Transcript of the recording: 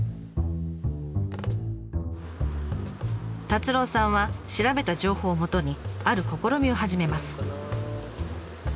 達朗さんは調べた情報をもとにある試みを始めます。